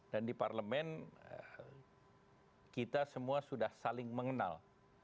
dan di parlemen kita semua sudah saling mengenal